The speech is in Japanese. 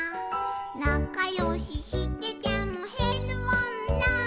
「なかよししててもへるもんな」